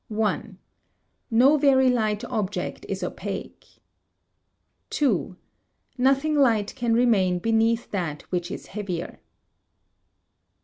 No very light object is opaque. ii. Nothing light can remain beneath that which is heavier.